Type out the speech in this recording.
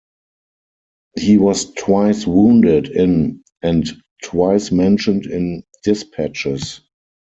He was twice wounded in and twice mentioned in dispatches.